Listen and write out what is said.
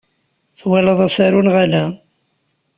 Twalaḍ asaru neɣ ala?